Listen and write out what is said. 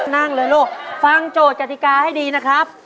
นั่งเลยลูกฟังโจทย์กฎิกาให้ดีนะครับ